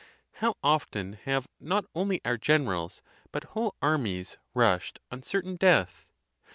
How often have not only our generals, but whole armies, rushed on certain death!